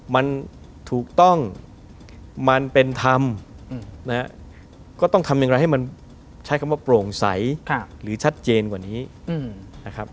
มันถูกต้องมันเป็นธรรมนะฮะก็ต้องทำอย่างไรให้มันใช้คำว่าโปร่งใสหรือชัดเจนกว่านี้นะครับ